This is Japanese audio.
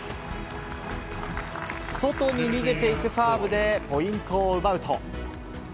外に逃げていくサーブでポイントを奪うと。